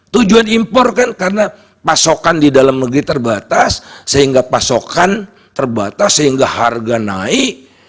tujuan impor kan karena pasokan di dalam negeri terbatas sehingga pasokan terbatas sehingga harga naik